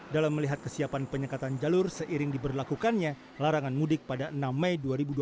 dalam melihat kesiapan penyekatan jalur seiring diberlakukannya larangan mudik pada enam mei dua ribu dua puluh